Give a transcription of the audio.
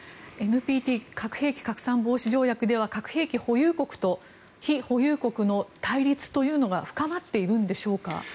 ＮＰＴ・核兵器拡散防止条約では核兵器の保有国と非保有国の対立というのが深まっているんでしょうか。